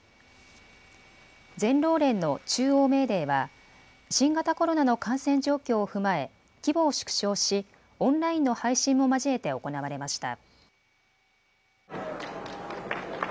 全労連の中央メーデーは新型コロナの感染状況を踏まえ規模を縮小しオンラインの配信も交えて行われました。